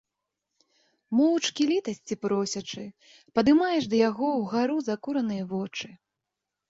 Моўчкі літасці просячы, падымаеш да яго ўгару закураныя вочы.